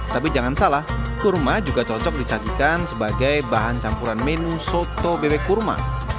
tapi jangan salah kurma juga cocok disajikan sebagai bahan campuran menu soto bebek kurma